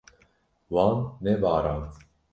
Wan nebarand.